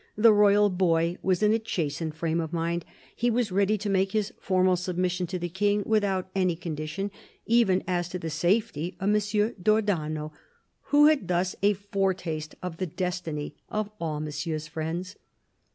The royal boy was in a chastened frame of mind. He was ready to make his formal submission to the King, without any condition, even as to the safety of M. d'Ornano, who had thus a foretaste of the destiny of all Monsieur's friends.